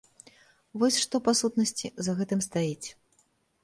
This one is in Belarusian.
Вось што, па сутнасці, за гэтым стаіць.